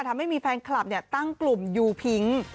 ทำให้มีแฟนคลับตั้งกลุ่มยูพิง